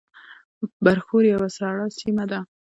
برښور یوه سړه سیمه ده